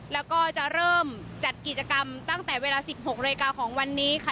แล้วก็จะเริ่มจัดกิจกรรมตั้งแต่เวลา๑๖นาฬิกาของวันนี้ค่ะ